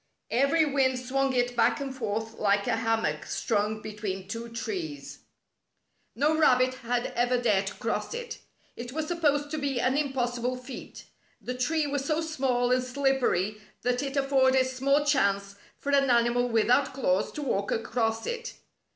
Every wind swung it back and forth like a hammock strung between two trees. No rabbit had ever dared to cross it. It was supposed to be an impossible feat. The tree was so small and slippery that it afforded small chance for an animal without claws to walk across it.